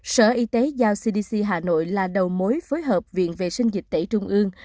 sở y tế giao cdc hà nội là đầu mối phối hợp viện vệ sinh dịch tễ trung ương